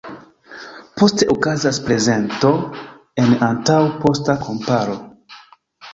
Poste okazas prezento en antaŭ-posta komparo.